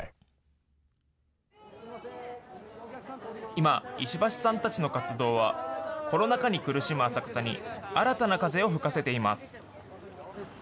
今、石橋さんたちの活動は、コロナ禍に苦しむ浅草に、新たな風を吹かせています。